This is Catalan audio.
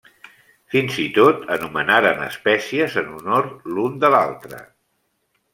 Fins i tot anomenaren espècies en honor l'un de l'altre.